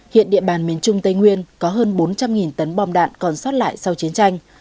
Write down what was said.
hiện địa bàn miền trung tây nguyên có hơn bốn trăm linh tấn bom đạn còn sót lại sau chiến tranh